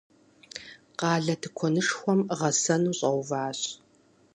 Къалэ тыкуэнышхуэм гъэсэну щӏэуващ.